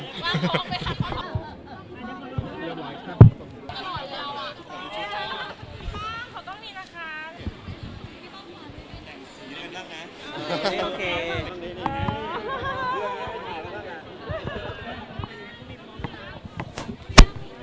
อร่อยแล้วอ่ะ